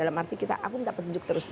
aku minta petunjuk terus